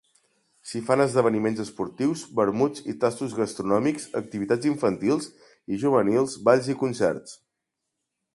S’hi fan esdeveniments esportius, vermuts i tastos gastronòmics, activitats infantils i juvenils, balls i concerts.